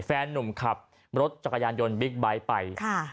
แฟนนุ่มขับรถจักรยานยนต์บิ๊กไบท์ไปค่ะ